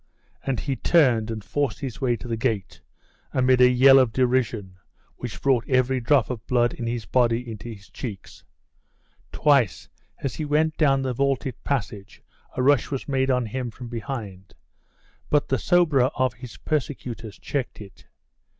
And he turned, and forced his way to the gate, amid a yell of derision which brought every drop of, blood in his body into his cheeks. Twice, as he went down the vaulted passage, a rush was made on him from behind, but the soberer of his persecutors checked it.